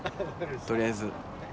取りあえず。